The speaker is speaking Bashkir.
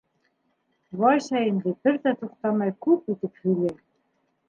Вася инде бер ҙә туҡтамай күп итеп һөйләй.